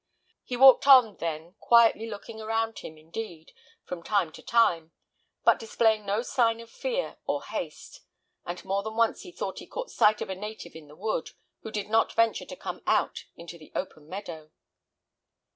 He walked on, then, quietly looking around him, indeed, from time to time, but displaying no sign of fear or haste; and more than once he thought he caught sight of a native in the wood, who did not venture to come out into the open meadow.